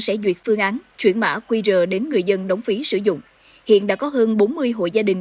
sẽ duyệt phương án chuyển mã quy rờ đến người dân đóng phí sử dụng hiện đã có hơn bốn mươi hội gia đình